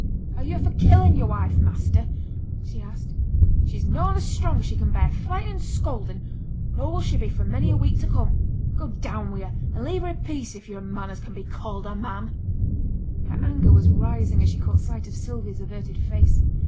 'Are yo' for killing yo'r wife, measter?' she asked. 'She's noane so strong as she can bear flytin' and scoldin', nor will she be for many a week to come. Go down wi' ye, and leave her i' peace if yo're a man as can be called a man!' Her anger was rising as she caught sight of Sylvia's averted face.